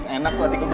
enak tuh hati kebo